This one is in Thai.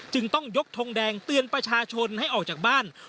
ต้องยกทงแดงเตือนประชาชนให้ออกจากบ้าน